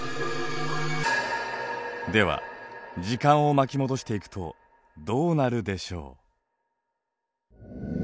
では時間を巻き戻していくとどうなるでしょう？